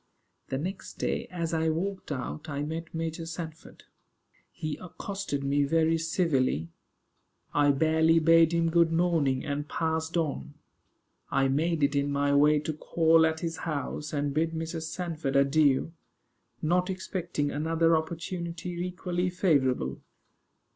The next day, as I walked out, I met Major Sanford. He accosted me very civilly. I barely bade him good morning, and passed on. I made it in my way to call at his house, and bid Mrs. Sanford adieu; not expecting another opportunity equally favorable.